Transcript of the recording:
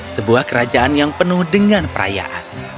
sebuah kerajaan yang penuh dengan perayaan